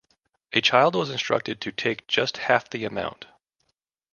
A child was instructed to take just half the amount.